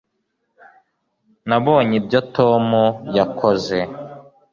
nabonye ibyo tom yakoze